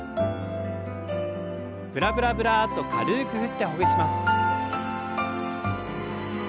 ブラブラブラッと軽く振ってほぐします。